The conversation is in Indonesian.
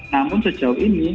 namun sejauh ini